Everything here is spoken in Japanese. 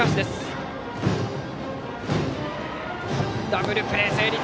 ダブルプレー成立。